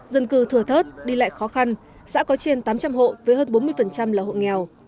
dân cư thừa thớt đi lại khó khăn xã có trên tám trăm linh hộ với hơn bốn mươi là hộ nghèo